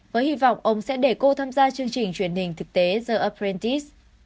với hy vọng ông sẽ để cô tham gia chương trình truyền hình thực tế the ofrantis